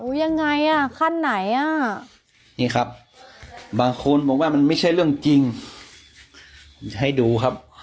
ยังไงอ่ะขั้นไหนอ่ะนี่ครับบางคนบอกว่ามันไม่ใช่เรื่องจริงให้ดูครับ